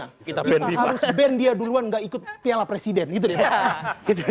harus ban dia duluan gak ikut piala presiden gitu deh pak